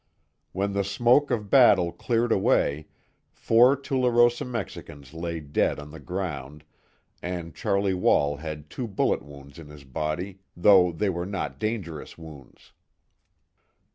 When the smoke of battle cleared away, four Tularosa Mexicans lay dead on the ground and Charlie Wall had two bullet wounds in his body, though they were not dangerous wounds.